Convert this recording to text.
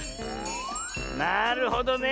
なるほどね。